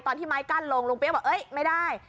ตอนที่ไม้กั้นลงลุงเปี๊ยกบอกไม่ได้